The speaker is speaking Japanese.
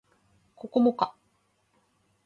ここもか